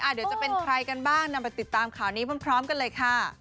เดี๋ยวจะเป็นใครกันบ้างนำไปติดตามข่าวนี้พร้อมกันเลยค่ะ